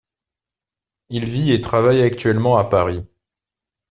Il vit et travaille actuellement à Paris.